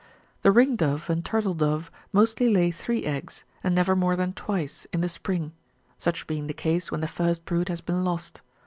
The ring dove and turtle dove mostly lay three eggs, and never more than twice, in the spring; such being the case when the first brood has been lost.